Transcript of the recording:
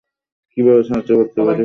কীভাবে সাহায্য করতে পারি?